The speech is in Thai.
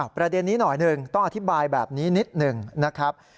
ประเด็นนี้หน่อยหนึ่งต้องอธิบายแบบนี้นิดหนึ่งนะครับ